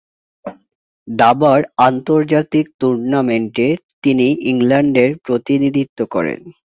দাবার আন্তর্জাতিক টুর্নামেন্টে তিনি ইংল্যান্ডের প্রতিনিধিত্ব করেন।